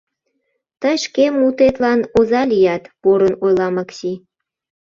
Тый шке мутетлан оза лият! — порын ойла Макси.